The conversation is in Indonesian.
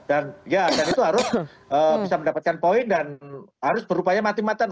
dan ya dan itu harus bisa mendapatkan poin dan harus berupaya mati mati